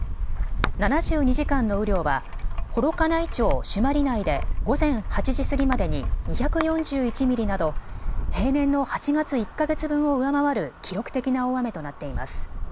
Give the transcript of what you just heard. ７２時間の雨量は幌加内町朱鞠内で午前８時過ぎまでに２４１ミリなど平年の８月１か月分を上回る記録的な大雨となっています。